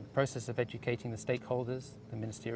proses pendidikan dari penduduk